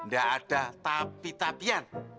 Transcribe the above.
gak ada tapi tapian